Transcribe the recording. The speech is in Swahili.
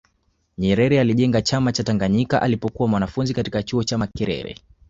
nyerere alijenga chama cha tanganyika alipokuwa mwanafunzi katika chuo cha makerere